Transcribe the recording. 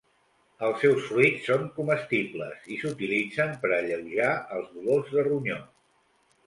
Els seus fruits són comestibles, i s'utilitzen per alleujar els dolors de ronyó.